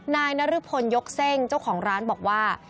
นายนรพลยกเซ่งเจ้าของร้านบอกว่า